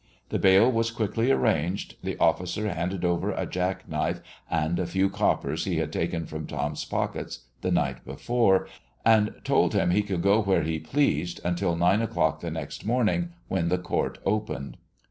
The bail was quickly arranged, the officer handed over a jack knife and a few coppers he had taken from Tom's pockets the night before, and told him he could go where he pleased until nine o'clock the next morning, when the court opened.